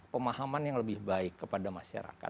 pemahaman yang lebih baik kepada masyarakat